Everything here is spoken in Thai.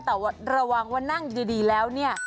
แต่ว่าระวังว่านั่งดีแล้ว